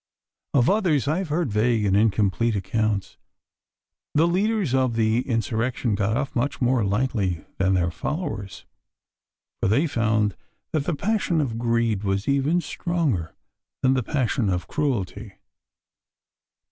Of others I have heard vague and incomplete accounts. The leaders of the insurrection got off much more lightly than their followers, for they found that the passion of greed was even stronger than the passion of cruelty.